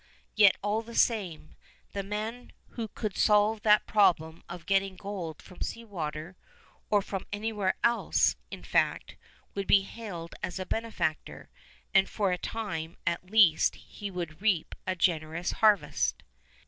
Yet, all the same, the man who could solve that problem of getting gold from sea water, or from anywhere else, in fact, would be hailed as a benefactor, and for a time at least he would reap a generous harvest.